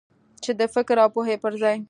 چې د فکر او پوهې پر ځای.